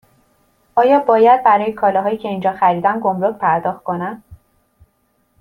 آیا باید برای کالاهایی که اینجا خریدم گمرگ پرداخت کنم؟